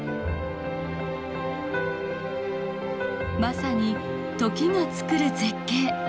まさに時が作る絶景。